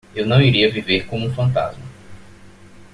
Eu não iria viver como um fantasma.